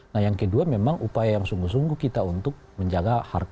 nah yang kedua memang upaya yang sungguh sungguh kita untuk menjaga harga